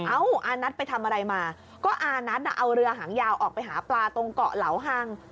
อานัทไปทำอะไรมาก็อานัทเอาเรือหางยาวออกไปหาปลาตรงเกาะเหลาฮัง